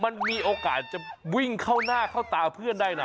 มันมีโอกาสจะวิ่งเข้าหน้าเข้าตาเพื่อนได้นะ